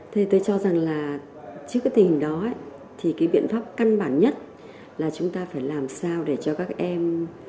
thế tôi cho rằng là trước cái tình hình đó thì cái biện pháp căn bản nhất là chúng ta phải làm sao để cho các em